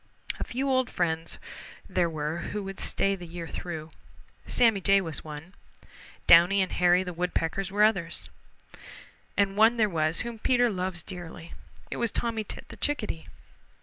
A few old friends there were who would stay the year through. Sammy Jay was one. Downy and Hairy the Woodpeckers were others. And one there was whom Peter loves dearly. It was Tommy Tit the Chickadee.